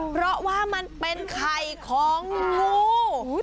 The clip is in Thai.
เพราะว่ามันเป็นไข่ของงู